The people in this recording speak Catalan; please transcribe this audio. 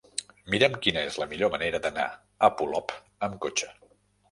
Mira'm quina és la millor manera d'anar a Polop amb cotxe.